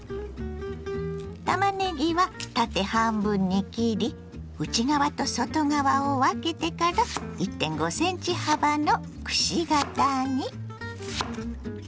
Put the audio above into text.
たまねぎは縦半分に切り内側と外側を分けてから１．５ｃｍ幅のくし形に。